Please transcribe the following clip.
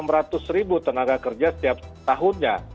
enam ratus ribu tenaga kerja setiap tahunnya